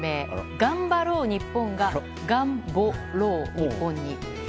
「がんばろう日本」が「がんぼろう日本」に。